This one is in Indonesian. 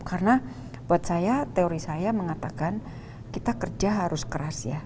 karena buat saya teori saya mengatakan kita kerja harus keras ya